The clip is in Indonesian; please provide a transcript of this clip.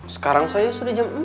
sekarang saya sudah jam empat